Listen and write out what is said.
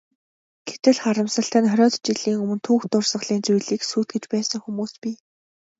Гэтэл, харамсалтай нь хориод жилийн өмнө түүх дурсгалын зүйлийг сүйтгэж байсан хүмүүс бий.